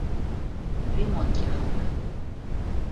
Ремонт яһалды.